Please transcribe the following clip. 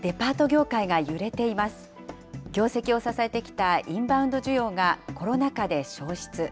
業績を支えてきたインバウンド需要がコロナ禍で消失。